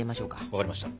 分かりました。